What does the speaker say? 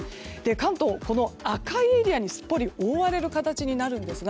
関東は赤いエリアに、すっぽり覆われる形になるんですが